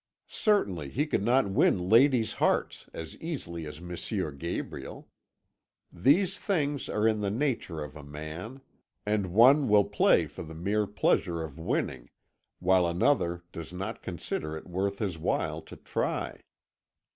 Certainly he could not win ladies' hearts as easily as M. Gabriel. These things are in the nature of a man, and one will play for the mere pleasure of winning, while another does not consider it worth his while to try.